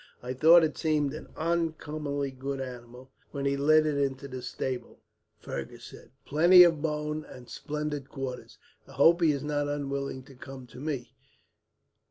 "I thought it seemed an uncommonly good animal, when he led it into the stable," Fergus said. "Plenty of bone, and splendid quarters. I hope he was not unwilling to come to me.